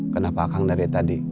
kenapa kang dari tadi